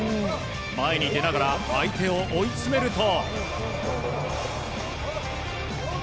前に出ながら相手を追い詰めると。